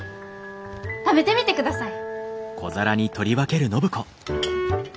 食べてみてください！